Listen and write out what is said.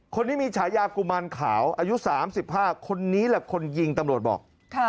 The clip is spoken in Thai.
คนนี้มีฉายากุมารขาวอายุ๓๕คนนี้แหละคนยิงตำรวจบอก